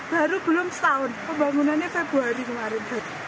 baru belum setahun pembangunannya februari kemarin